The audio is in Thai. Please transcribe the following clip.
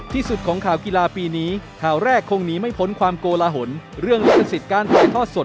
ที่สุดของข่าวกีฬาปีนี้ข่าวแรกคงหนีไม่พ้นความโกลาหลเรื่องลิขสิทธิ์การถ่ายทอดสด